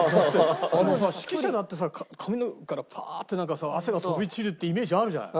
あのさ指揮者だってさ髪の毛からパーッてなんかさ汗が飛び散るっていうイメージあるじゃない。